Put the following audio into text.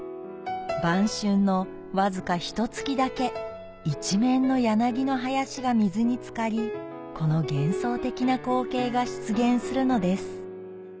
晩春のわずかひと月だけ一面の柳の林が水に漬かりこの幻想的な光景が出現するのです